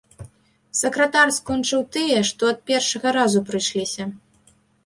Сакратар скончыў тыя, што ад першага разу прыйшліся.